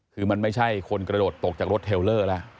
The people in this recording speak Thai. คือมันไม่ใช่คนกระโดดตกจากรถเทลเลอร์แล้ว